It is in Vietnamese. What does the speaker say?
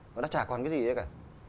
nó đã chả còn cái gì nữa cả